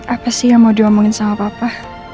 apa sih yang mau diomongin sama papa